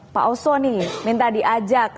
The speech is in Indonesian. pak oswony minta diajak